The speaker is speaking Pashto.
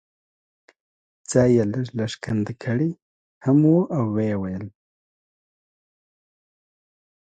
ځای یې لږ لږ کندې کړی هم و او یې لیدل.